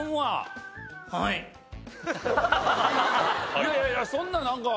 いやいやいやそんな何か。